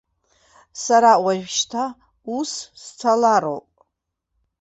Сара уажәшьҭа ус сцалароуп.